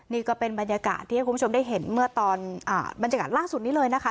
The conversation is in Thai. นี่ก็เป็นบรรยากาศที่ให้คุณผู้ชมได้เห็นเมื่อตอนบรรยากาศล่าสุดนี้เลยนะคะ